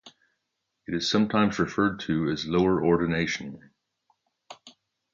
It is sometimes referred to as lower ordination.